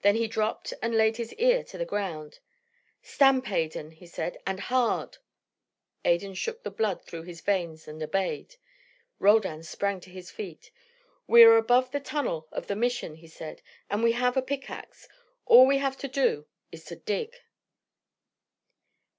Then he dropped and laid his ear to the ground. "Stamp, Adan," he said, "and hard." Adan shook his blood through his veins, and obeyed. Roldan sprang to his feet. "We are above the tunnel of the Mission," he said. "And we have a pickaxe. All we have to do is to dig."